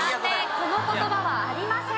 この言葉はありません。